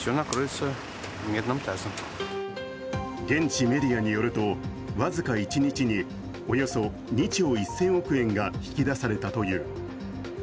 現地メディアによると、僅か一日におよそ２兆１０００億円が引き出されたという。